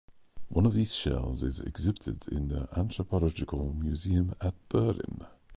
One of these shells is exhibited in the Anthropological Museum at Berlin.